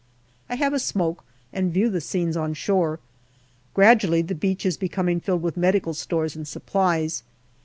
I have a smoke, and view the scenes on shore. Gradually the beach is becoming filled with medical stores and supplies.